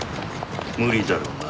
無理だろうな。